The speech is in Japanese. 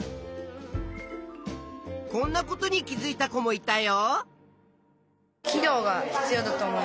こんなことに気づいた子もいたよ。